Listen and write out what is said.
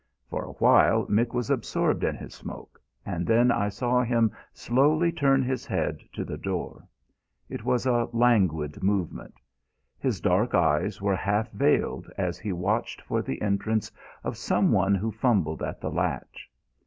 For a while Mick was absorbed in his smoke, and then I saw him slowly turn his head to the door. It was a languid movement. His dark eyes were half veiled as he watched for the entrance of someone who fumbled at the latch.